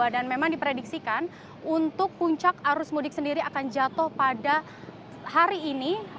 dan memang diprediksikan untuk puncak arus mudik sendiri akan jatuh pada hari ini